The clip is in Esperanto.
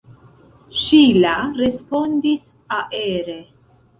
Ŝila respondis aere.